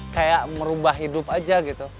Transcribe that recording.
kayak merubah hidup aja gitu